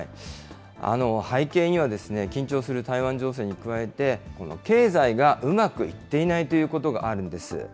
背景には、緊張する台湾情勢に加えて、この経済がうまくいっていないということがあるんです。